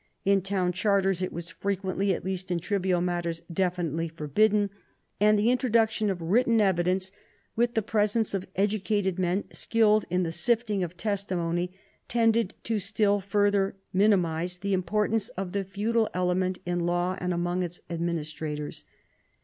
In town charters it was frequently, at least in trivial matters, definitely forbidden; and the introduction of written evidence, with the presence of educated men skilled in the sifting of testimony, tended to still further minimise the importance of the feudal element in law and among its administrators.